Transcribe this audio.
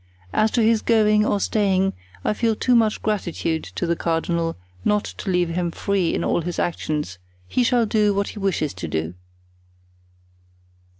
As to his going or staying, I feel too much gratitude to the cardinal not to leave him free in all his actions; he shall do what he wishes to do."